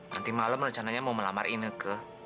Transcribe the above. nanti malem rencananya mau melamar ineke